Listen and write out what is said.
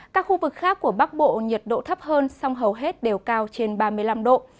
các khu vực khác của bắc bộ nhiệt độ thấp hơn song hầu hết đều cao trên ba mươi năm độ